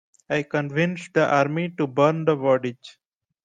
I convinced the army to burn the bodies.